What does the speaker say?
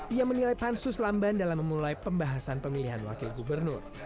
ia menilai pansus lamban dalam memulai pembahasan pemilihan wakil gubernur